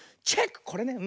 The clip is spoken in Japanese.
これね。